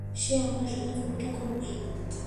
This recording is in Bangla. সে আমার সাথে যুদ্ধ করবে।